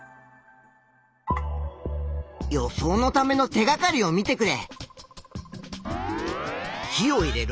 予想のための手がかりを見てくれ。